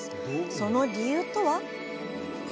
その理由とは？